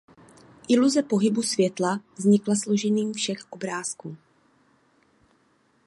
Iluze pohybu světla vznikla složením všech obrázků.